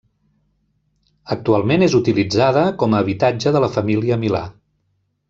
Actualment és utilitzada com a habitatge de la família Milà.